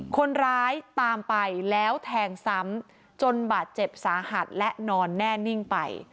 คนร้ายตามไปแล้วแทงซ้ำจนบาดเจ็บสาหัสและนอนแน่นิ่งไป